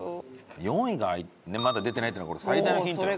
４位がまだ出てないってこれ最大のヒントよ。